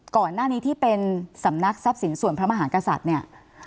ก่อนหน้านี้ที่เป็นสำนักทรัพย์สินส่วนพระมหากษัตริย์เนี่ย